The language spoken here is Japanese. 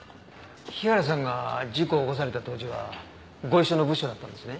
日原さんが事故を起こされた当時はご一緒の部署だったんですね？